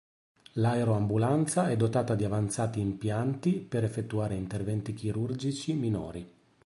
L'aeroambulanza è dotata di avanzati impianti per effettuare interventi chirurgici minori.